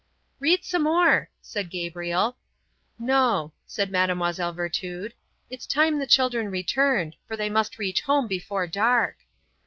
"Read some more," said Gabriel, "No," said Mlle. Virtud. "It's time the children returned, for they must reach home before dark."